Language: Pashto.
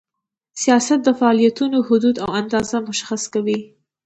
سیاست د فعالیتونو حدود او اندازه مشخص کوي.